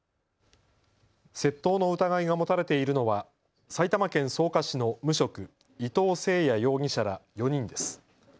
窃盗の疑いが持たれているのは埼玉県草加市の無職、伊藤聖也容疑者ら４人です。